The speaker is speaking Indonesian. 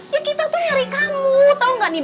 ya kita tuh nyari kamu tau gak nih